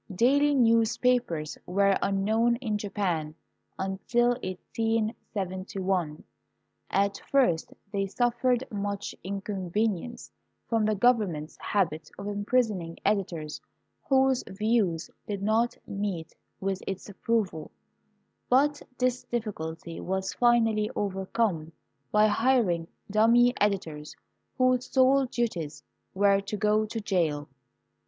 Daily newspapers were unknown in Japan until 1871. At first they suffered much inconvenience from the govern ment's habit of imprisoning editors whose views did not meet with its approval, but this difl&culty was finally over come by hiring dummy editors whose sole duties were to go to jail.